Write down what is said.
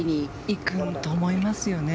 行くと思いますよね。